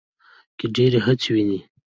کې ډېره هڅه وينو